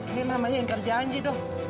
ini namanya ingkar janji dong